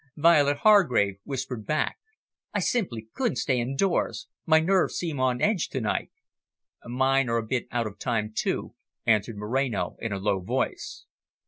Violet Hargrave whispered back. "I simply couldn't stay indoors. My nerves seem on edge to night." "Mine are a bit out of time, too," answered Moreno in a low voice.